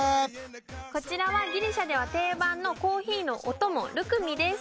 こちらはギリシャでは定番のコーヒーのお供ルクミです